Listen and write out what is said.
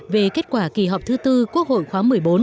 về kết quả kỳ họp thứ tư quốc hội khóa một mươi bốn